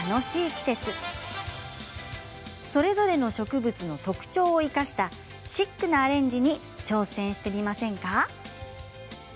季節それぞれの植物の特性を生かしたシックなアレンジに挑戦してみませんか。